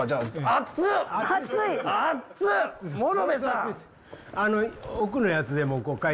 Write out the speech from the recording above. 熱い！